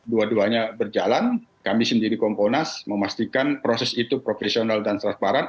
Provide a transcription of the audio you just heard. dua duanya berjalan kami sendiri komponas memastikan proses itu profesional dan transparan